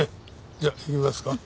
じゃあ行きますか。